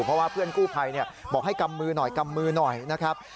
เพราะว่าเพื่อนกู้ภัยบอกให้กำมือหน่อยนะครับ